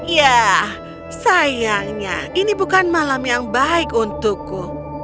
ya sayangnya ini bukan malam yang baik untukku